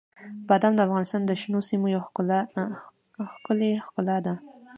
بادام د افغانستان د شنو سیمو یوه ښکلې ښکلا ده.